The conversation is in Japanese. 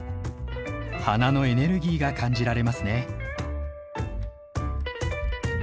花のエネルギーが感じられますね。